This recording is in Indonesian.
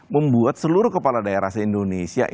membuat seluruh kepala daerah se indonesia